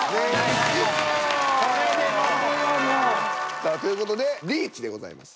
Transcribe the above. さあという事でリーチでございます。